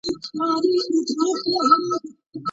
که حضوري زده کړه وي، نو د ښوونکي شتون دوامداره وي.